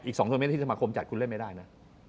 อีก๒ทุนเตอร์เมนต์ที่จะมากรมจัดคุณเล่นไม่ได้นะ